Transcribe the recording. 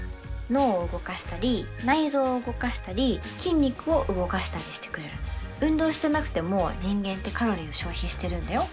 脳を動かしたり内臓を動かしたり筋肉を動かしたりしてくれるの運動してなくても人間ってカロリーを消費してるんだよ